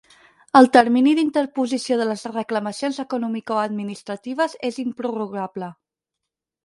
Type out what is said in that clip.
El termini d'interposició de les reclamacions economicoadministratives és improrrogable.